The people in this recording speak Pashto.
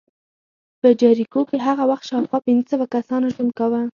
په جریکو کې هغه وخت شاوخوا پنځه سوه کسانو ژوند کاوه